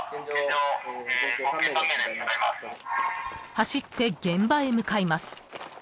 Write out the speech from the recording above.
［走って現場へ向かいます］